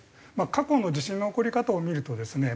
過去の地震の起こり方を見るとですね